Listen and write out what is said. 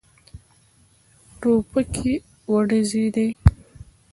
ټوپکې وډزېدې.